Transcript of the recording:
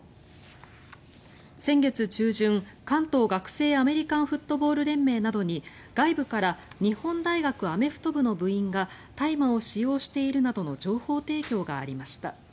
先月中旬、関東学生アメリカンフットボール連盟などに外部から日本大学アメフト部の部員が大麻を使用しているなどの情報提供がありました。